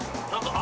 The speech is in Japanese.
あ！